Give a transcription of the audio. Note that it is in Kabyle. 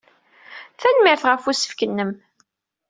Tanemmirt ɣef usefk-nnem.